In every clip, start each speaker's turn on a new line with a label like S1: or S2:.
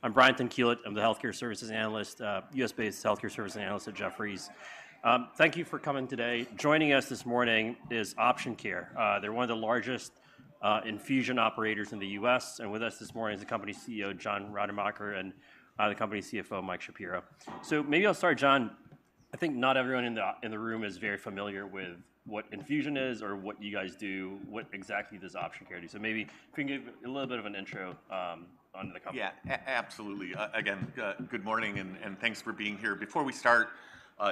S1: I'm Brian Tanquilut. I'm the healthcare services analyst, U.S.-based healthcare service analyst at Jefferies. Thank you for coming today. Joining us this morning is Option Care. They're one of the largest infusion operators in the U.S., and with us this morning is the company's CEO, John Rademacher, and the company's CFO, Mike Shapiro. So maybe I'll start, John. I think not everyone in the room is very familiar with what infusion is or what you guys do, what exactly does Option Care do? So maybe if you can give a little bit of an intro on the company.
S2: Yeah, absolutely. Again, good morning, and thanks for being here. Before we start,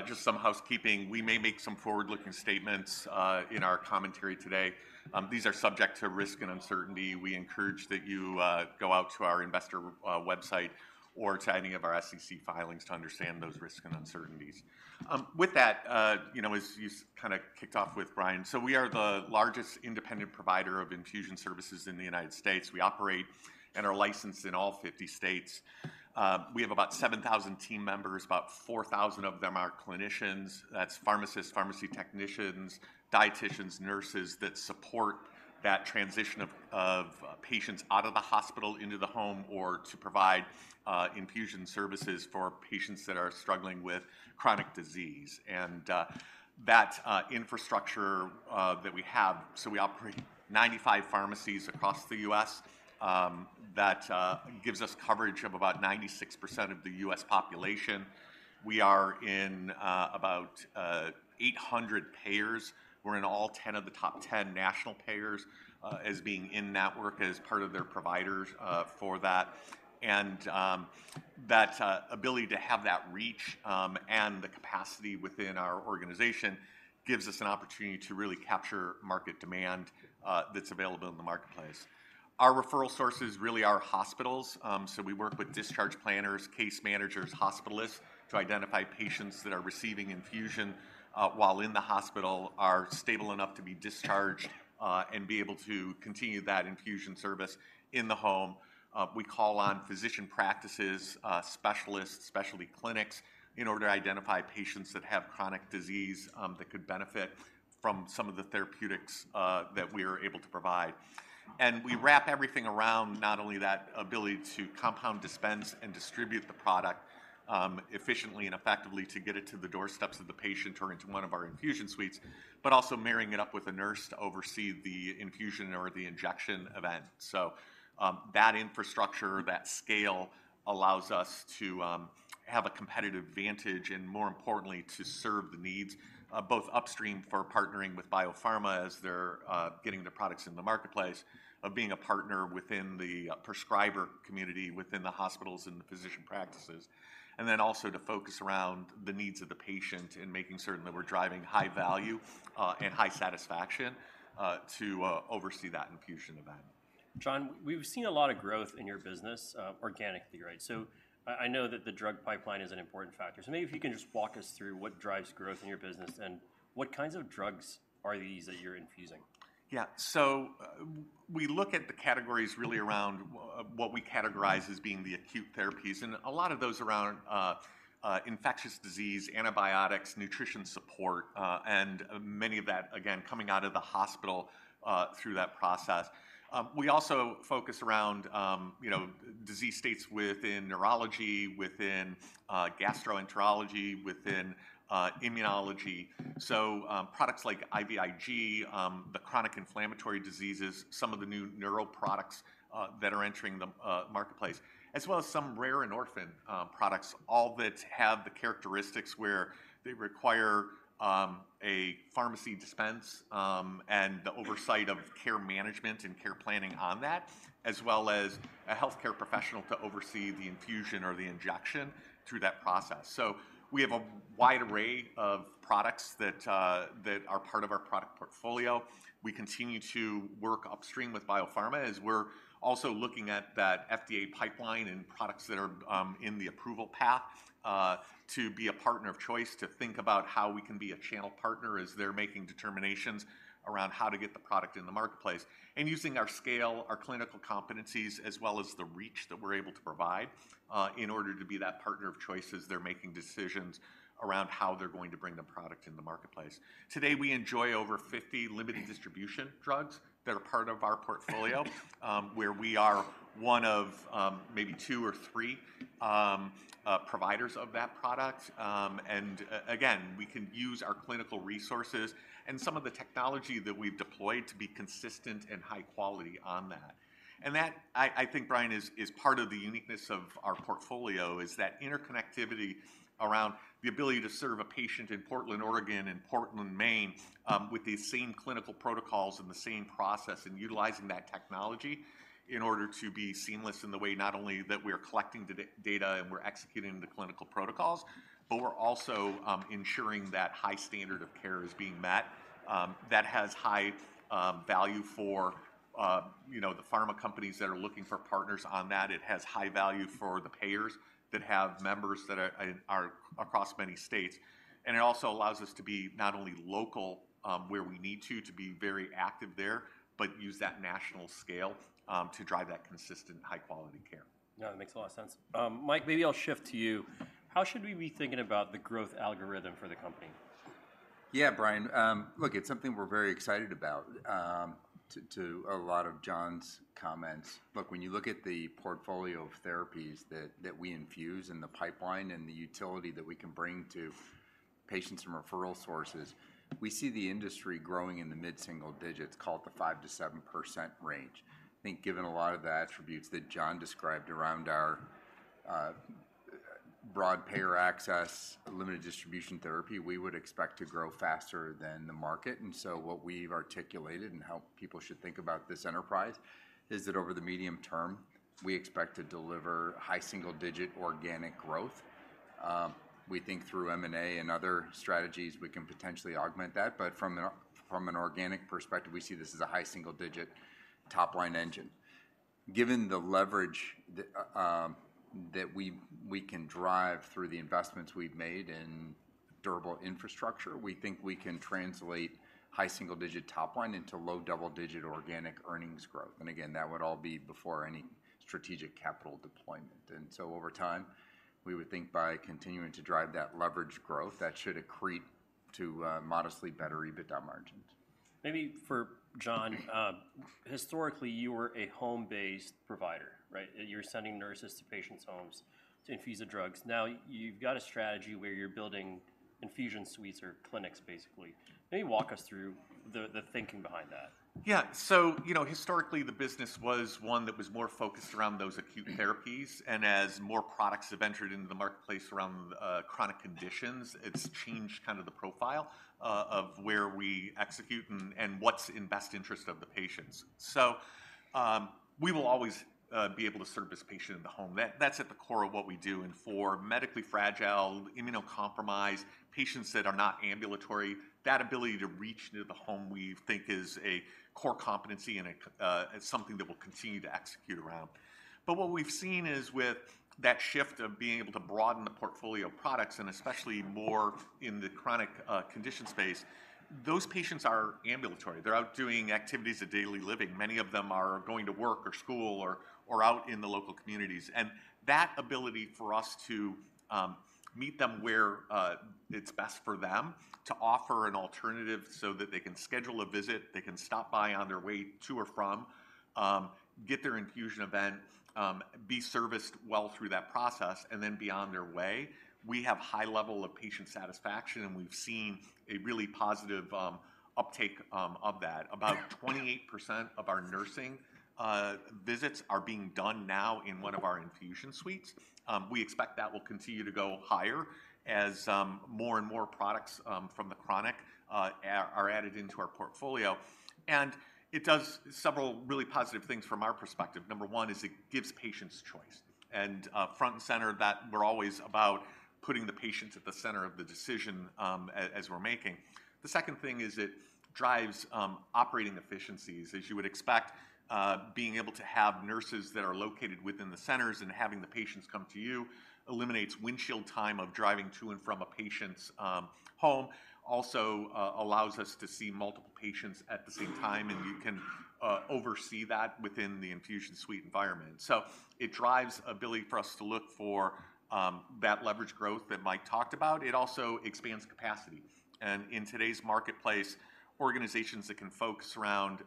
S2: just some housekeeping. We may make some forward-looking statements in our commentary today. These are subject to risk and uncertainty. We encourage that you go out to our investor website or to any of our SEC filings to understand those risks and uncertainties. With that, you know, as you kinda kicked off with, Brian, so we are the largest independent provider of infusion services in the United States. We operate and are licensed in all fifty states. We have about 7,000 team members. About 4,000 of them are clinicians. That's pharmacists, pharmacy technicians, dieticians, nurses that support that transition of patients out of the hospital into the home, or to provide infusion services for patients that are struggling with chronic disease. That infrastructure that we have, so we operate 95 pharmacies across the U.S. That gives us coverage of about 96% of the U.S. population. We are in about 800 payers. We're in all 10 of the top 10 national payers as being in-network as part of their providers for that. That ability to have that reach and the capacity within our organization gives us an opportunity to really capture market demand that's available in the marketplace. Our referral sources really are hospitals. So we work with discharge planners, case managers, hospitalists, to identify patients that are receiving infusion while in the hospital, are stable enough to be discharged and be able to continue that infusion service in the home. We call on physician practices, specialists, specialty clinics, in order to identify patients that have chronic disease that could benefit from some of the therapeutics that we are able to provide. And we wrap everything around not only that ability to compound, dispense, and distribute the product efficiently and effectively to get it to the doorsteps of the patient or into one of our infusion suites, but also marrying it up with a nurse to oversee the infusion or the injection event. So, that infrastructure, that scale, allows us to have a competitive advantage and, more importantly, to serve the needs both upstream for partnering with biopharma as they're getting the products in the marketplace, of being a partner within the prescriber community, within the hospitals and the physician practices, and then also to focus around the needs of the patient and making certain that we're driving high value and high satisfaction to oversee that infusion event.
S1: Jon, we've seen a lot of growth in your business, organically, right? So I know that the drug pipeline is an important factor. So maybe if you can just walk us through what drives growth in your business, and what kinds of drugs are these that you're infusing?
S2: Yeah. So, we look at the categories really around what we categorize as being the acute therapies, and a lot of those around infectious disease, antibiotics, nutrition support, and many of that, again, coming out of the hospital through that process. We also focus around, you know, disease states within neurology, within gastroenterology, within immunology, so, products like IVIG, the chronic inflammatory diseases, some of the new neural products that are entering the marketplace, as well as some rare and orphan products, all that have the characteristics where they require a pharmacy dispense and the oversight of care management and care planning on that, as well as a healthcare professional to oversee the infusion or the injection through that process. So we have a wide array of products that are part of our product portfolio. We continue to work upstream with biopharma, as we're also looking at that FDA pipeline and products that are in the approval path to be a partner of choice, to think about how we can be a channel partner as they're making determinations around how to get the product in the marketplace. And using our scale, our clinical competencies, as well as the reach that we're able to provide in order to be that partner of choice as they're making decisions around how they're going to bring the product in the marketplace. Today, we enjoy over 50 limited distribution drugs that are part of our portfolio, where we are one of maybe two or three providers of that product. And again, we can use our clinical resources and some of the technology that we've deployed to be consistent and high quality on that. And that, I think, Brian, is part of the uniqueness of our portfolio, is that interconnectivity around the ability to serve a patient in Portland, Oregon, and Portland, Maine, with the same clinical protocols and the same process, and utilizing that technology in order to be seamless in the way, not only that we are collecting the data, and we're executing the clinical protocols, but we're also ensuring that high standard of care is being met. That has high value for, you know, the pharma companies that are looking for partners on that. It has high value for the payers that have members that are across many states. And it also allows us to be not only local, where we need to be very active there, but use that national scale to drive that consistent, high-quality care.
S1: No, it makes a lot of sense. Mike, maybe I'll shift to you. How should we be thinking about the growth algorithm for the company?...
S3: Yeah, Brian, look, it's something we're very excited about, to a lot of John's comments. Look, when you look at the portfolio of therapies that we infuse in the pipeline and the utility that we can bring to patients and referral sources, we see the industry growing in the mid-single digits, call it the 5 to 7% range. I think given a lot of the attributes that John described around our broad payer access, limited distribution therapy, we would expect to grow faster than the market. And so what we've articulated and how people should think about this enterprise is that over the medium term, we expect to deliver high single-digit organic growth. We think through M&A and other strategies, we can potentially augment that, but from an organic perspective, we see this as a high single digit top-line engine. Given the leverage that, that we, we can drive through the investments we've made in durable infrastructure, we think we can translate high single-digit top line into low double-digit organic earnings growth. And again, that would all be before any strategic capital deployment. And so over time, we would think by continuing to drive that leverage growth, that should accrete to, modestly better EBITDA margins.
S1: Maybe for John, historically, you were a home-based provider, right? You were sending nurses to patients' homes to infuse the drugs. Now, you've got a strategy where you're building infusion suites or clinics, basically. Maybe walk us through the thinking behind that.
S2: Yeah. So, you know, historically, the business was one that was more focused around those acute therapies. And as more products have entered into the marketplace around chronic conditions, it's changed kind of the profile of where we execute and what's in best interest of the patients. So, we will always be able to service a patient in the home. That's at the core of what we do. And for medically fragile, immunocompromised patients that are not ambulatory, that ability to reach into the home, we think is a core competency and it's something that we'll continue to execute around. But what we've seen is with that shift of being able to broaden the portfolio of products, and especially more in the chronic condition space, those patients are ambulatory. They're out doing activities of daily living. Many of them are going to work or school or out in the local communities. And that ability for us to meet them where it's best for them, to offer an alternative so that they can schedule a visit, they can stop by on their way to or from, get their infusion event, be serviced well through that process, and then be on their way. We have high level of patient satisfaction, and we've seen a really positive uptake of that. About 28% of our nursing visits are being done now in one of our infusion suites. We expect that will continue to go higher as more and more products from the chronic are added into our portfolio. And it does several really positive things from our perspective. Number one is it gives patients choice and, front and center, that we're always about putting the patients at the center of the decision, as we're making. The second thing is it drives operating efficiencies, as you would expect, being able to have nurses that are located within the centers and having the patients come to you eliminates windshield time of driving to and from a patient's home. Also allows us to see multiple patients at the same time, and you can oversee that within the infusion suite environment. So it drives ability for us to look for that leverage growth that Mike talked about. It also expands capacity. And in today's marketplace, organizations that can focus around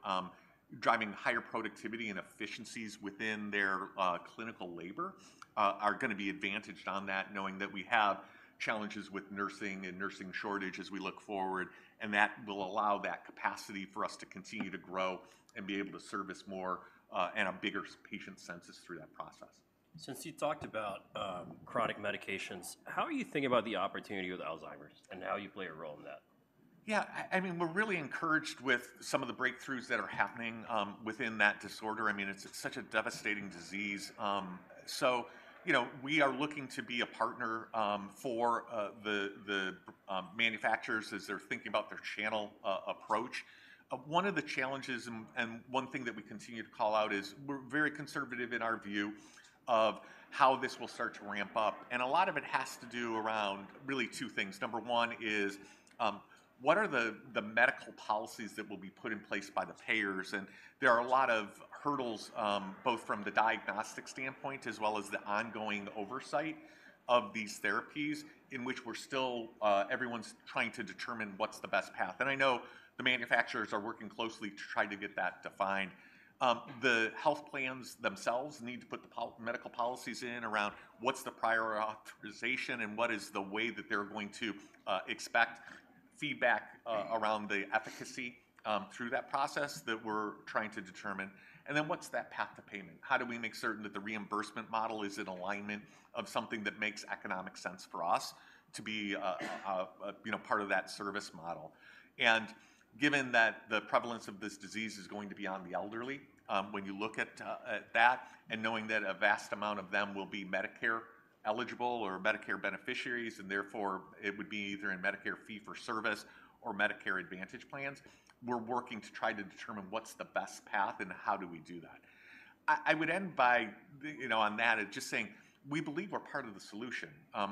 S2: driving higher productivity and efficiencies within their clinical labor are gonna be advantaged on that, knowing that we have challenges with nursing and nursing shortage as we look forward, and that will allow that capacity for us to continue to grow and be able to service more and a bigger patient census through that process.
S1: Since you talked about, chronic medications, how are you thinking about the opportunity with Alzheimer's and how you play a role in that?
S2: Yeah, I mean, we're really encouraged with some of the breakthroughs that are happening within that disorder. I mean, it's such a devastating disease. So you know, we are looking to be a partner for the manufacturers as they're thinking about their channel approach. One of the challenges and one thing that we continue to call out is we're very conservative in our view of how this will start to ramp up, and a lot of it has to do around really two things. Number one is what are the medical policies that will be put in place by the payers? And there are a lot of hurdles both from the diagnostic standpoint as well as the ongoing oversight of these therapies, in which we're still everyone's trying to determine what's the best path. And I know the manufacturers are working closely to try to get that defined. The health plans themselves need to put the medical policies in around what's the prior authorization and what is the way that they're going to expect feedback around the efficacy through that process that we're trying to determine. And then what's that path to payment? How do we make certain that the reimbursement model is in alignment of something that makes economic sense for us to be a you know part of that service model? And given that the prevalence of this disease is going to be on the elderly, when you look at that and knowing that a vast amount of them will be Medicare-eligible or Medicare beneficiaries, and therefore, it would be either in Medicare Fee-for-Service or Medicare Advantage plans, we're working to try to determine what's the best path and how do we do that? I would end by, you know, on that and just saying, we believe we're part of the solution.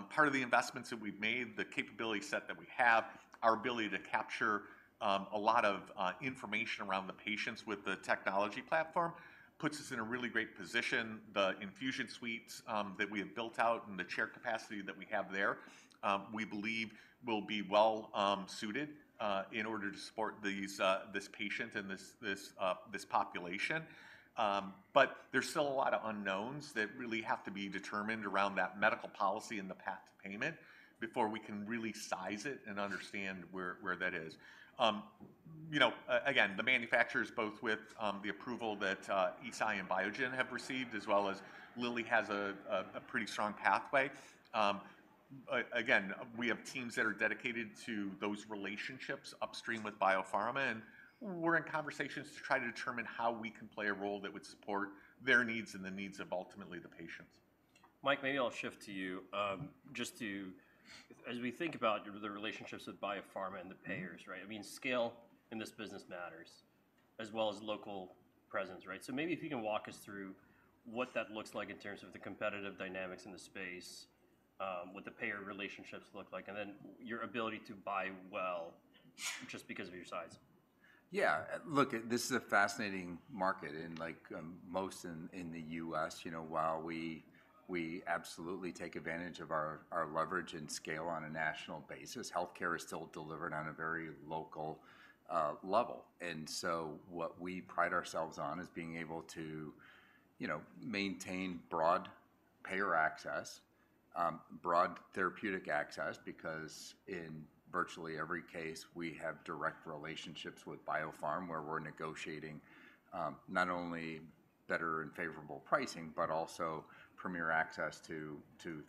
S2: Part of the investments that we've made, the capability set that we have, our ability to capture a lot of information around the patients with the technology platform, puts us in a really great position. The infusion suites that we have built out and the chair capacity that we have there, we believe will be well suited in order to support this patient and this population. But there's still a lot of unknowns that really have to be determined around that medical policy and the path to payment before we can really size it and understand where that is. You know, again, the manufacturers, both with the approval that Eisai and Biogen have received, as well as Lilly has a pretty strong pathway. Again, we have teams that are dedicated to those relationships upstream with biopharma, and we're in conversations to try to determine how we can play a role that would support their needs and the needs of ultimately the patients.
S1: Mike, maybe I'll shift to you. Just to—as we think about the relationships with biopharma and the payers- Right, I mean, scale in this business matters, as well as local presence, right? So maybe if you can walk us through what that looks like in terms of the competitive dynamics in the space, what the payer relationships look like, and then your ability to buy well just because of your size.
S3: Yeah, look, this is a fascinating market, and like, most in the U.S., you know, while we absolutely take advantage of our leverage and scale on a national basis, healthcare is still delivered on a very local level. And so what we pride ourselves on is being able to, you know, maintain broad payer access, broad therapeutic access, because in virtually every case, we have direct relationships with biopharm, where we're negotiating, not only better and favorable pricing, but also premier access to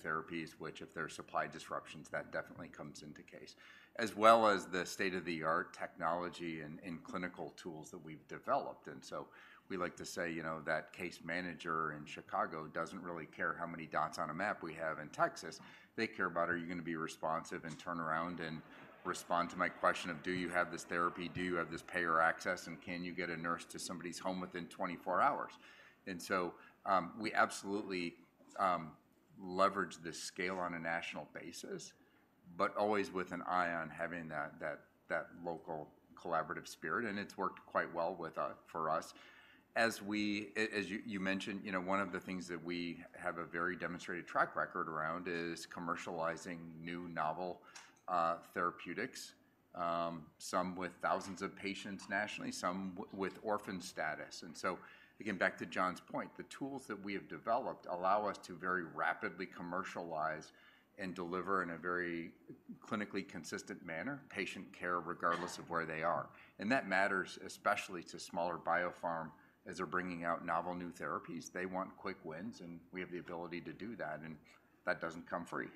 S3: therapies, which if there are supply disruptions, that definitely comes into case. As well as the state-of-the-art technology and clinical tools that we've developed. And so we like to say, you know, that case manager in Chicago doesn't really care how many dots on a map we have in Texas. They care about, are you gonna be responsive and turn around and respond to my question of, "Do you have this therapy? Do you have this payer access, and can you get a nurse to somebody's home within 24 hours?" And so, we absolutely leverage this scale on a national basis, but always with an eye on having that local collaborative spirit, and it's worked quite well with, for us. As you mentioned, you know, one of the things that we have a very demonstrated track record around is commercializing new novel therapeutics, some with thousands of patients nationally, some with orphan status. And so, again, back to John's point, the tools that we have developed allow us to very rapidly commercialize and deliver in a very clinically consistent manner, patient care, regardless of where they are. That matters especially to smaller biopharm as they're bringing out novel new therapies. They want quick wins, and we have the ability to do that, and that doesn't come free.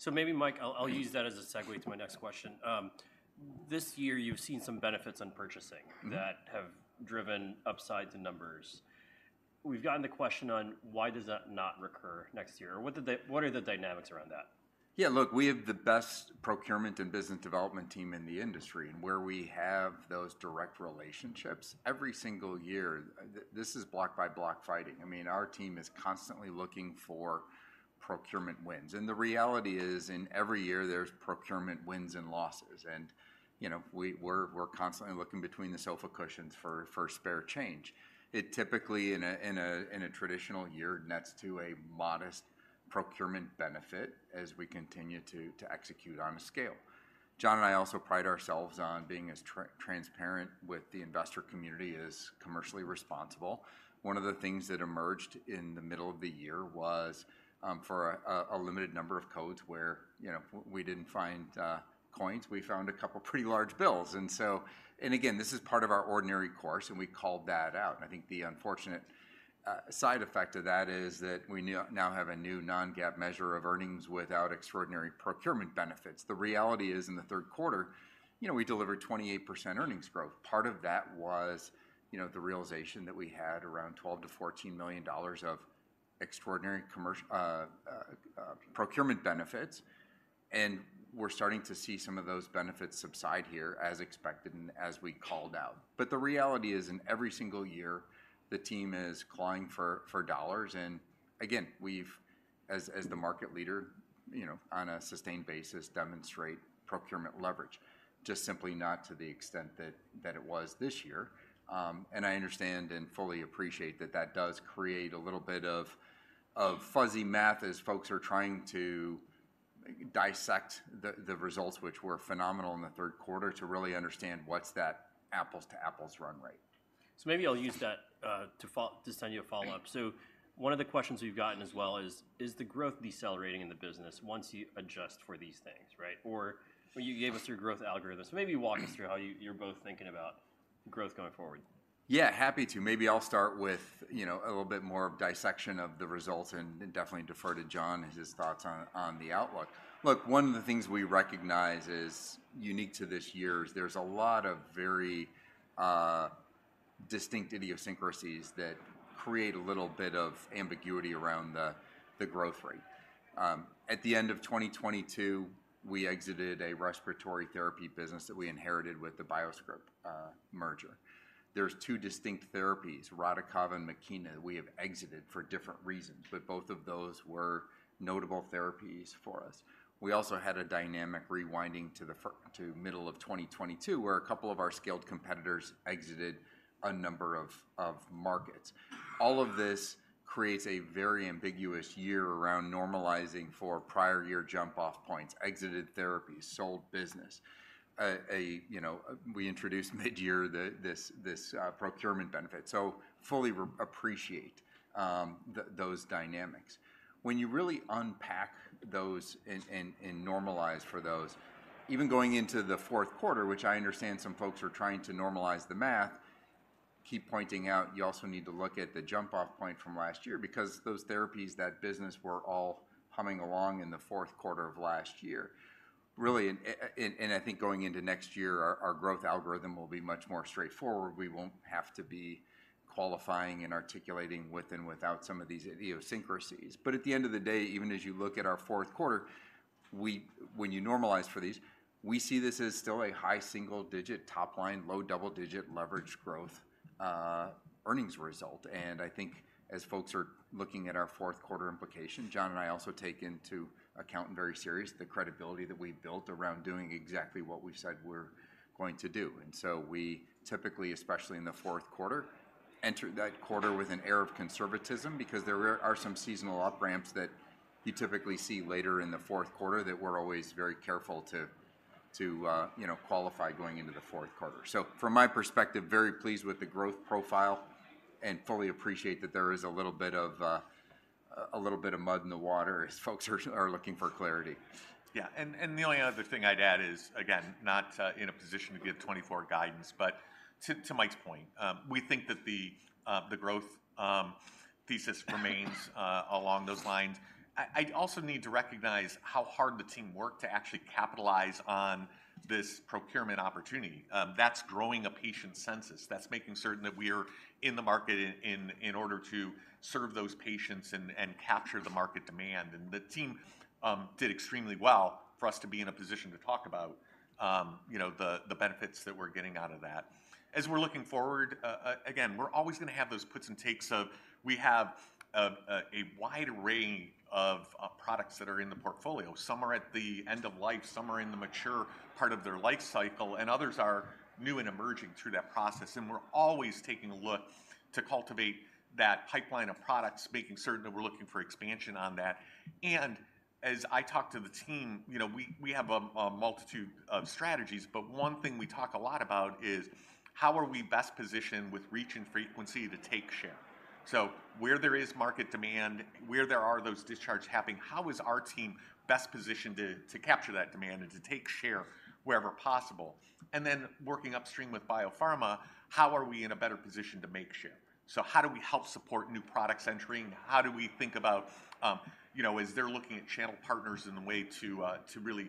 S1: So maybe, Mike, I'll use that as a segue to my next question. This year, you've seen some benefits on purchasing- -that have driven upsides in numbers. We've gotten the question on: Why does that not recur next year? Or what are the dynamics around that?
S3: Yeah, look, we have the best procurement and business development team in the industry, and where we have those direct relationships, every single year, this is block-by-block fighting. I mean, our team is constantly looking for procurement wins. And the reality is, in every year, there's procurement wins and losses, and, you know, we're constantly looking between the sofa cushions for spare change. It typically in a traditional year, nets to a modest procurement benefit as we continue to execute on a scale. John and I also pride ourselves on being as transparent with the investor community as commercially responsible. One of the things that emerged in the middle of the year was, for a limited number of codes where, you know, we didn't find coins, we found a couple pretty large bills. And again, this is part of our ordinary course, and we called that out. I think the unfortunate side effect of that is that we now have a new non-GAAP measure of earnings without extraordinary procurement benefits. The reality is, in the Q3, you know, we delivered 28% earnings growth. Part of that was, you know, the realization that we had around $12 to 14 million of extraordinary commercial procurement benefits, and we're starting to see some of those benefits subside here, as expected and as we called out. But the reality is, in every single year, the team is clawing for dollars, and again, we've, as the market leader, you know, on a sustained basis, demonstrate procurement leverage, just simply not to the extent that it was this year. I understand and fully appreciate that that does create a little bit of fuzzy math as folks are trying to dissect the results, which were phenomenal in the Q3, to really understand what's that apples-to-apples run rate.
S1: So maybe I'll use that to send you a follow-up. So one of the questions we've gotten as well is: Is the growth decelerating in the business once you adjust for these things, right? Or when you gave us your growth algorithms, maybe walk us through how you- you're both thinking about growth going forward?
S3: Yeah, happy to. Maybe I'll start with, you know, a little bit more of dissection of the results and, and definitely defer to John and his thoughts on, on the outlook. Look, one of the things we recognize is unique to this year is there's a lot of very distinct idiosyncrasies create a little bit of ambiguity around the growth rate. At the end of 2022, we exited a respiratory therapy business that we inherited with the BioScrip merger. There's two distinct therapies, Radicava and Makena, we have exited for different reasons, but both of those were notable therapies for us. We also had a dynamic rewinding to the middle of 2022, where a couple of our skilled competitors exited a number of markets. All of this creates a very ambiguous year around normalizing for prior year jump-off points, exited therapies, sold business. You know, we introduced mid-year this procurement benefit, so fully appreciate those dynamics. When you really unpack those and normalize for those, even going into the fourth quarter, which I understand some folks are trying to normalize the math, keep pointing out you also need to look at the jump-off point from last year, because those therapies, that business, were all humming along in the fourth quarter of last year. Really, and I think going into next year, our growth algorithm will be much more straightforward. We won't have to be qualifying and articulating with and without some of these idiosyncrasies. But at the end of the day, even as you look at our fourth quarter, we, when you normalize for these, we see this as still a high single-digit top line, low double-digit leverage growth, earnings result. And I think as folks are looking at our fourth quarter implication, John and I also take into account and very serious, the credibility that we've built around doing exactly what we've said we're going to do. And so we typically, especially in the fourth quarter, enter that quarter with an air of conservatism because there are some seasonal up ramps that you typically see later in the fourth quarter that we're always very careful to you know qualify going into the fourth quarter. So from my perspective, very pleased with the growth profile and fully appreciate that there is a little bit of a little bit of mud in the water as folks are looking for clarity.
S2: Yeah, and the only other thing I'd add is, again, not in a position to give 2024 guidance, but to Mike's point, we think that the growth thesis remains along those lines. I also need to recognize how hard the team worked to actually capitalize on this procurement opportunity. That's growing a patient census, that's making certain that we are in the market in order to serve those patients and capture the market demand. And the team did extremely well for us to be in a position to talk about, you know, the benefits that we're getting out of that. As we're looking forward, again, we're always gonna have those puts and takes of... We have a wide array of products that are in the portfolio. Some are at the end of life, some are in the mature part of their life cycle, and others are new and emerging through that process. And we're always taking a look to cultivate that pipeline of products, making certain that we're looking for expansion on that. And as I talk to the team, you know, we have a multitude of strategies, but one thing we talk a lot about is how are we best positioned with reach and frequency to take share? So where there is market demand, where there are those discharges happening, how is our team best positioned to capture that demand and to take share wherever possible? And then working upstream with biopharma, how are we in a better position to make share? So how do we help support new products entering? How do we think about, you know, as they're looking at channel partners in a way to, to really,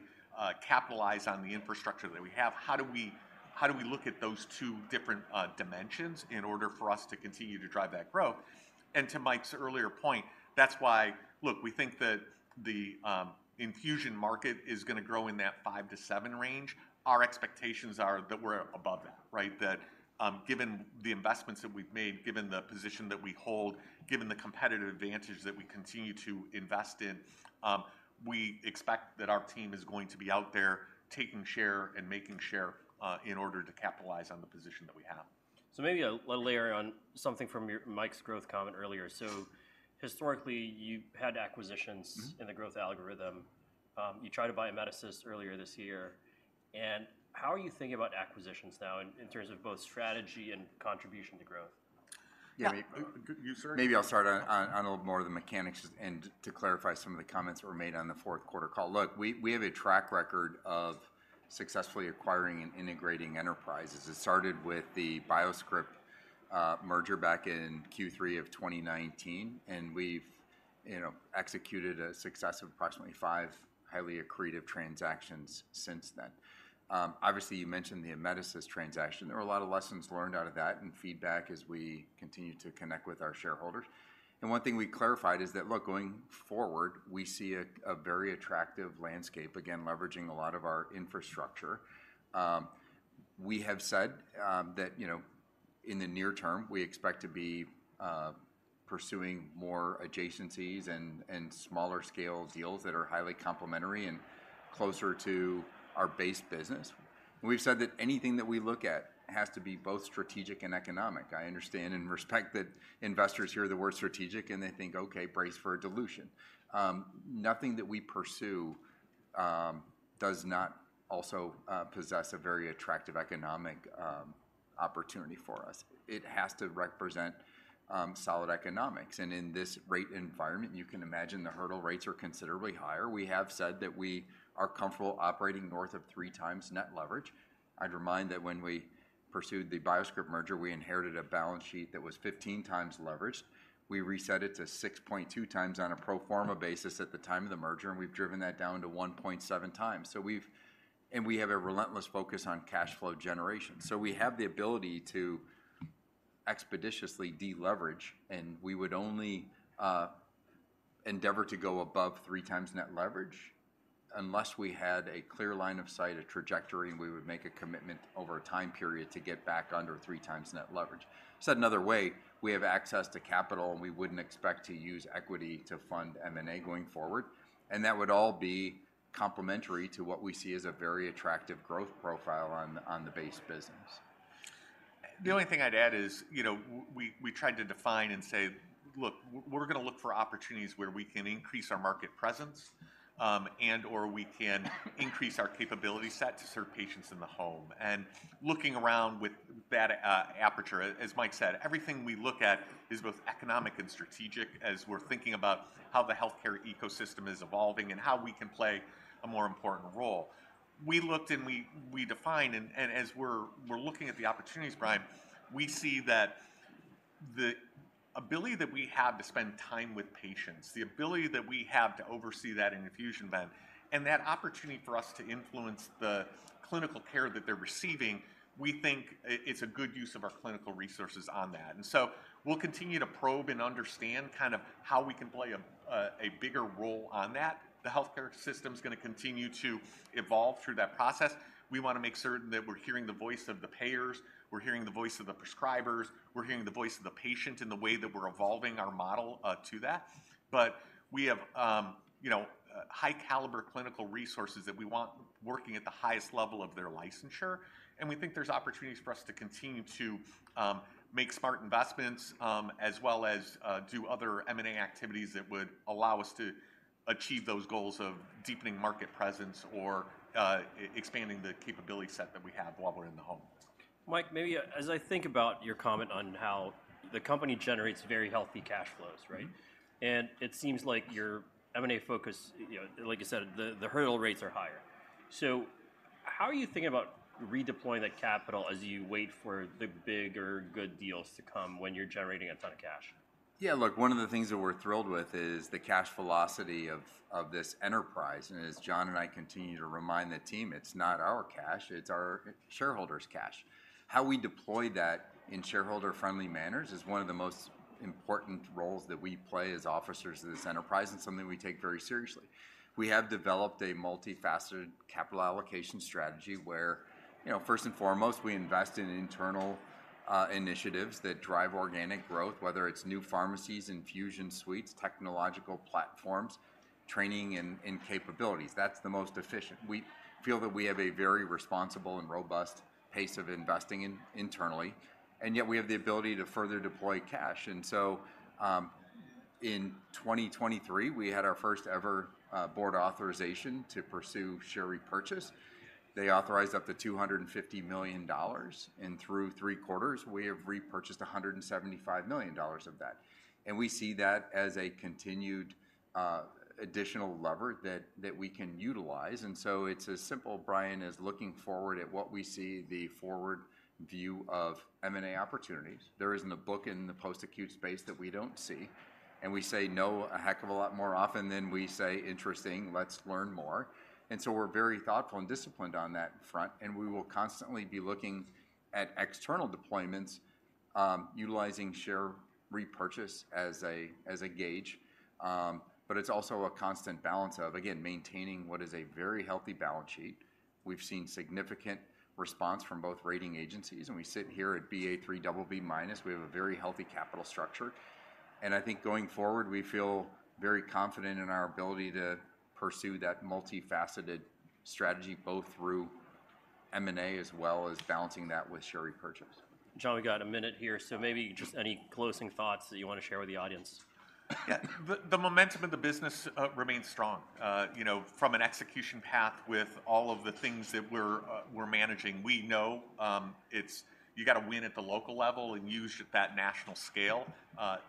S2: capitalize on the infrastructure that we have, how do we, how do we look at those two different, dimensions in order for us to continue to drive that growth? And to Mike's earlier point, that's why. Look, we think that the, infusion market is gonna grow in that 5-7 range. Our expectations are that we're above that, right? That, given the investments that we've made, given the position that we hold, given the competitive advantage that we continue to invest in, we expect that our team is going to be out there taking share and making share, in order to capitalize on the position that we have.
S3: So maybe a layer on something from your—Mike's growth comment earlier. So historically, you've had acquisitions- -in the growth algorithm. You tried to buy Amedisys earlier this year. And how are you thinking about acquisitions now in terms of both strategy and contribution to growth?
S2: Yeah-
S3: Maybe-
S2: You, sir?
S3: Maybe I'll start on a little more of the mechanics and to clarify some of the comments that were made on the fourth quarter call. Look, we have a track record of successfully acquiring and integrating enterprises. It started with the BioScrip merger back in Q3 of 2019, and we've, you know, executed a success of approximately five highly accretive transactions since then. Obviously, you mentioned the Amedisys transaction. There were a lot of lessons learned out of that and feedback as we continue to connect with our shareholders. And one thing we clarified is that, look, going forward, we see a very attractive landscape, again, leveraging a lot of our infrastructure. We have said that, you know, in the near term, we expect to be pursuing more adjacencies and smaller scale deals that are highly complementary and closer to our base business. We've said that anything that we look at has to be both strategic and economic. I understand and respect that investors hear the word strategic, and they think, "Okay, brace for a dilution." Nothing that we pursue does not also possess a very attractive economic opportunity for us. It has to represent solid economics. And in this rate environment, you can imagine the hurdle rates are considerably higher. We have said that we are comfortable operating north of three times net leverage. I'd remind that when we pursued the BioScrip merger, we inherited a balance sheet that was 15 times leverage. We reset it to 6.2x on a pro forma basis at the time of the merger, and we've driven that down to 1.7x. So we've. And we have a relentless focus on cash flow generation. So we have the ability to expeditiously deleverage, and we would only endeavor to go above 3x net leverage unless we had a clear line of sight, a trajectory, and we would make a commitment over a time period to get back under 3x net leverage. Said another way, we have access to capital, and we wouldn't expect to use equity to fund M&A going forward, and that would all be complementary to what we see as a very attractive growth profile on the base business.
S2: The only thing I'd add is, you know, we tried to define and say, "Look, we're gonna look for opportunities where we can increase our market presence, and/or we can increase our capability set to serve patients in the home." And looking around with that aperture, as Mike said, everything we look at is both economic and strategic as we're thinking about how the healthcare ecosystem is evolving and how we can play a more important role. We looked and we defined, and as we're looking at the opportunities, Brian, we see that the ability that we have to spend time with patients, the ability that we have to oversee that infusion event, and that opportunity for us to influence the clinical care that they're receiving, we think it's a good use of our clinical resources on that. We'll continue to probe and understand kind of how we can play a bigger role on that. The healthcare system's gonna continue to evolve through that process. We wanna make certain that we're hearing the voice of the payers, we're hearing the voice of the prescribers, we're hearing the voice of the patient in the way that we're evolving our model to that. But we have you know high-caliber clinical resources that we want working at the highest level of their licensure, and we think there's opportunities for us to continue to make smart investments as well as do other M&A activities that would allow us to achieve those goals of deepening market presence or expanding the capability set that we have while we're in the home.
S1: Mike, maybe, as I think about your comment on how the company generates very healthy cash flows, right? It seems like your M&A focus, you know, like you said, the hurdle rates are higher. So how are you thinking about redeploying that capital as you wait for the bigger good deals to come when you're generating a ton of cash?
S3: Yeah, look, one of the things that we're thrilled with is the cash velocity of this enterprise, and as John and I continue to remind the team, it's not our cash, it's our shareholders' cash. How we deploy that in shareholder-friendly manners is one of the most important roles that we play as officers of this enterprise, and something we take very seriously. We have developed a multifaceted capital allocation strategy where, you know, first and foremost, we invest in internal initiatives that drive organic growth, whether it's new pharmacies, infusion suites, technological platforms, training, and capabilities. That's the most efficient. We feel that we have a very responsible and robust pace of investing internally, and yet we have the ability to further deploy cash. And so, in 2023, we had our first ever board authorization to pursue share repurchase. They authorized up to $250 million, and through three quarters, we have repurchased $175 million of that. We see that as a continued additional lever that we can utilize, and so it's as simple, Brian, as looking forward at what we see the forward view of M&A opportunities. There isn't a book in the post-acute space that we don't see, and we say "no" a heck of a lot more often than we say, "Interesting, let's learn more." So we're very thoughtful and disciplined on that front, and we will constantly be looking at external deployments utilizing share repurchase as a gauge. But it's also a constant balance of, again, maintaining what is a very healthy balance sheet. We've seen significant response from both rating agencies, and we sit here at Ba3 BB-. We have a very healthy capital structure. I think going forward, we feel very confident in our ability to pursue that multifaceted strategy, both through M&A as well as balancing that with share repurchase.
S1: John, we got a minute here, so maybe just any closing thoughts that you want to share with the audience?
S2: Yeah. The momentum of the business remains strong. You know, from an execution path with all of the things that we're managing, we know, it's you got to win at the local level and use that national scale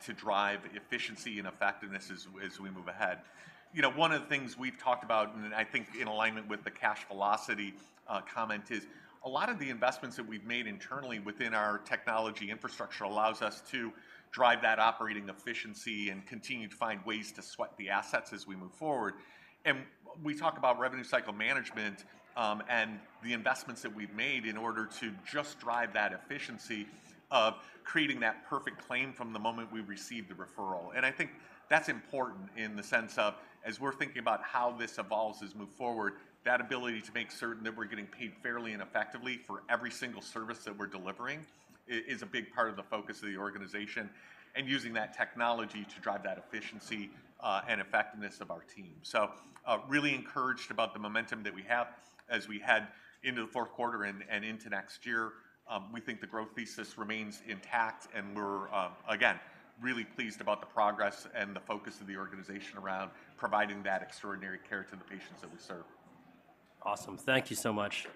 S2: to drive efficiency and effectiveness as we move ahead. You know, one of the things we've talked about, and I think in alignment with the cash velocity comment, is a lot of the investments that we've made internally within our technology infrastructure allows us to drive that operating efficiency and continue to find ways to sweat the assets as we move forward. And we talk about revenue cycle management and the investments that we've made in order to just drive that efficiency of creating that perfect claim from the moment we receive the referral. And I think that's important in the sense of, as we're thinking about how this evolves as we move forward, that ability to make certain that we're getting paid fairly and effectively for every single service that we're delivering, is a big part of the focus of the organization, and using that technology to drive that efficiency, and effectiveness of our team. So, really encouraged about the momentum that we have as we head into the fourth quarter and into next year. We think the growth thesis remains intact, and we're, again, really pleased about the progress and the focus of the organization around providing that extraordinary care to the patients that we serve.
S1: Awesome. Thank you so much,